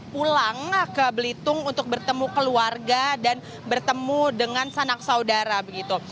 pulang ke belitung untuk bertemu keluarga dan bertemu dengan sanak saudara begitu